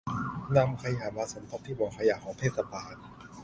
นำขยะมาสมทบที่บ่อขยะของเทศบาล